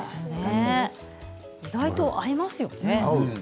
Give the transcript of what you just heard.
意外と合いますよね。